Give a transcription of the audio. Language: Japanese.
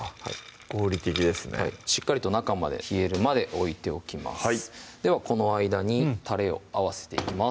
合理的ですねはいしっかりと中まで冷えるまで置いておきますではこの間にたれを合わせていきます